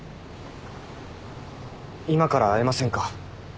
今から会えませんか？